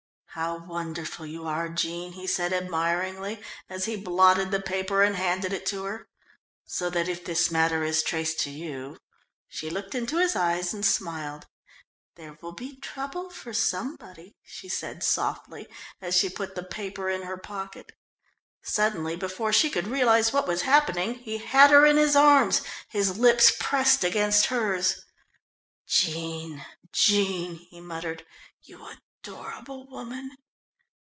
"How wonderful you are, Jean," he said, admiringly, as he blotted the paper and handed it to her. "So that if this matter is traced to you " She looked into his eyes and smiled. "There will be trouble for somebody," she said, softly, as she put the paper in her pocket. Suddenly, before she could realise what was happening he had her in his arms, his lips pressed against hers. "Jean, Jean!" he muttered. "You adorable woman!"